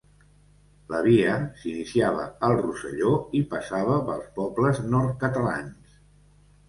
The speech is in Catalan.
La via s'iniciava al Rosselló i passava pels pobles nord-catalans.